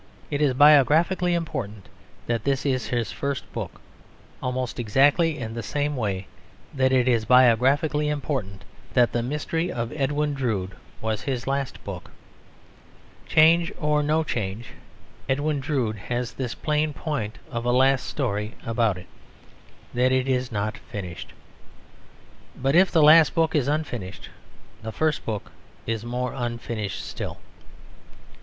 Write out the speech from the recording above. It is biographically important that this is his first book, almost exactly in the same way that it is biographically important that The Mystery of Edwin Drood was his last book. Change or no change, Edwin Drood has this plain point of a last story about it: that it is not finished. But if the last book is unfinished, the first book is more unfinished still.